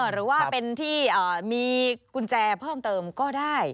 หรือว่าเป็นที่มีกุญแจเพิ่มเติมก็ได้